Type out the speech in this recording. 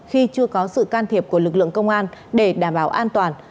khi chưa có sự can thiệp của lực lượng công an để đảm bảo an toàn